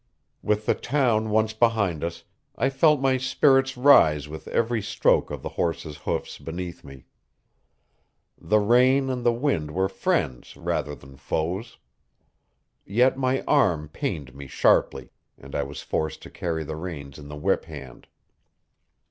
With the town once behind us, I felt my spirits rise with every stroke of the horse's hoofs beneath me. The rain and the wind were friends rather than foes. Yet my arm pained me sharply, and I was forced to carry the reins in the whip hand.